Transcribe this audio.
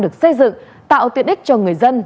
được xây dựng tạo tuyệt đích cho người dân